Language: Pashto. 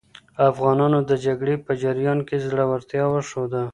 افغانانو د جګړې په جریان کې زړورتیا وښوده.